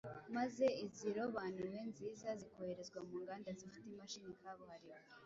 maze izirobanuwe nziza zikoherezwa mu nganda zifite imashini kabuhariwe